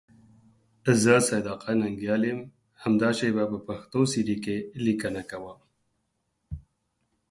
زه سیدآقا ننگیال یم، همدا شیبه په پښتو سیرې کې لیکنه کوم.